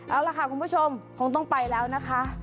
เอาล่ะค่ะคุณผู้ชมคงต้องไปแล้วนะคะ